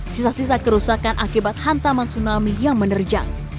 sisa sisa kerusakan akibat hantaman tsunami yang menerjang